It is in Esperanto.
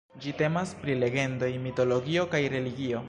Ĝi temas pri legendoj, mitologio kaj religio.